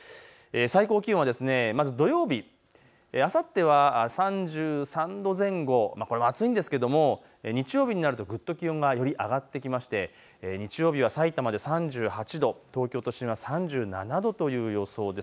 最高気温はまず土曜日、あさっては３３度前後、これも暑いんですけれど日曜日になるとぐっと気温がより上がってきまして日曜日はさいたまで３８度、東京都心は３７度という予想です。